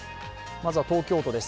まずは東京都です